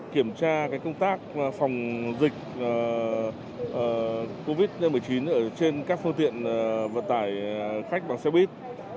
kiểm tra công tác phòng dịch covid một mươi chín ở trên các phương tiện vận tải khách bằng xe buýt